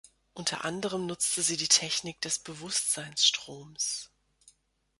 Unter anderem nutzte sie die Technik des Bewusstseinsstroms.